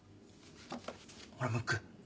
ほらムック。